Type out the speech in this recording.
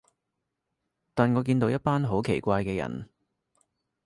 但我見到一班好奇怪嘅人